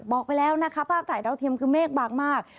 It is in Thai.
บอกไปแล้วนะคะภาพถ่ายดาวเทียมคือเมฆบางมาก